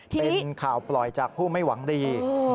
เป็นข่าวปล่อยจากผู้ไม่หวังดี